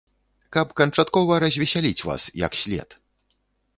Каб канчаткова развесяліць вас, як след.